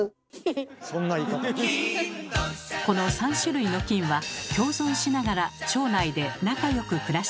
この３種類の菌は共存しながら腸内で仲よく暮らしています。